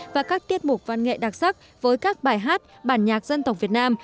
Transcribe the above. với các bài hát bản nhạc dân tộc việt nam